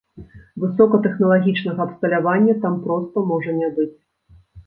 Высокатэхналагічнага абсталявання там проста можа не быць.